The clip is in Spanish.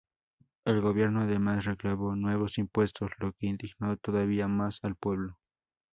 El gobierno además reclamó nuevos impuestos, lo que indignó todavía más al pueblo.